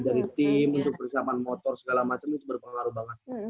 dari tim untuk persiapan motor segala macam itu berpengaruh banget